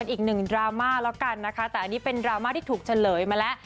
อีกหนึ่งดราม่าแล้วกันนะคะแต่อันนี้เป็นดราม่าที่ถูกเฉลยมาแล้ว